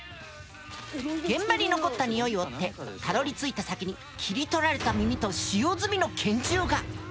現場に残った匂いを追ってたどりついた先に切り取られた耳と使用済みの拳銃が！